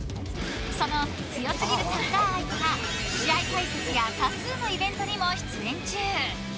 その強すぎるサッカー愛から試合解説や多数のイベントにも出演中。